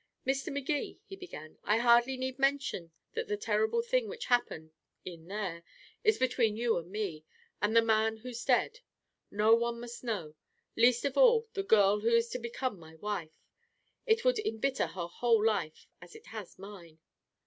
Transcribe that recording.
"Mr. Magee," he began, "I hardly need mention that the terrible thing which happened in there is between you and me and the man who's dead. No one must know. Least of all, the girl who is to become my wife it would embitter her whole life as it has mine."